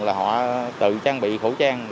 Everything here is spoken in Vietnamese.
là họ tự trang bị khẩu trang